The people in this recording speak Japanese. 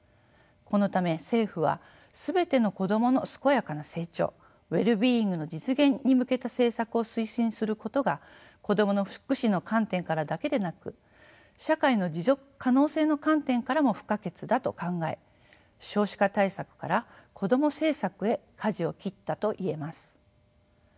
このため政府は全ての子どもの健やかな成長ウェルビーイングの実現に向けた政策を推進することが子どもの福祉の観点からだけでなく社会の持続可能性の観点からも不可欠だと考え少子化対策からこども政策へかじを切ったといえます。